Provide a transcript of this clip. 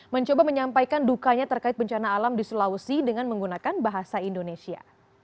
mencoba menyampaikan dukanya terkait bencana alam di sulawesi dengan menggunakan bahasa indonesia